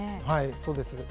そうです。